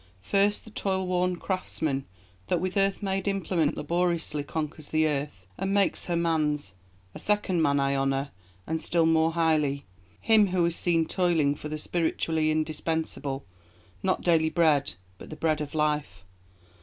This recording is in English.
First, the toilworn Craftsman that with earth made Implement laboriously conquers the Earth, and makes her man's. ... A second man I honour, and still more highly: Him who is seen toiling for the spiritually indispensable; not daily bread, but the Bread of Life.